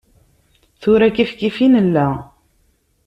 Tura kifkif i nella.